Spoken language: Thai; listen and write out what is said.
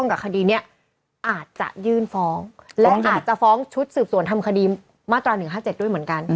และอาจจะฟ้องชุดสืบส่วนทำคดีมาตราย๑๕๗ด้วยเหมือนกัน